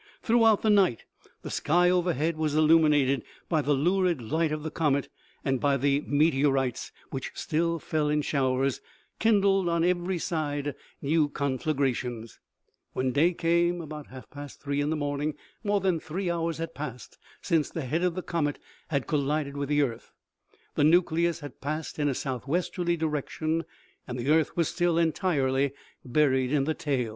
Throughout the night, the sky overhead was illumi nated by the lurid light of the comet, and by the meteor ites which still fell in showers, kindled on every side new OMEGA THE COUNCIL ASSEMBLED UNDER THE DOME OF ST. PETER'S. OMEGA. 183 conflagrations. When day came, about half past three in the morning, more than three hours had passed since the head of the comet had collided with the earth ; the nucleus had passed in a southwesterly direction, and the earth was still entirely buried in the tail.